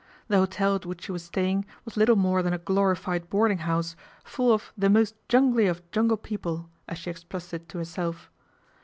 The hotel at which she was staying was little more than a glorified boarding house, full of " the most jungly of jungle people," as she expressed it to herself.